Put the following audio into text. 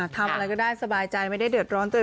ทำอะไรก็ได้สบายใจไม่ได้เดือดร้อนตัวเอง